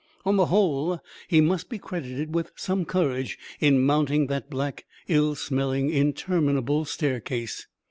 On the whole he must be credited with some courage in mounting that black, ill smelling, interminable staircase.